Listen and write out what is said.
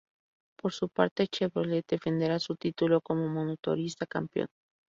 Por su parte, Chevrolet defenderá su título como motorista campeón.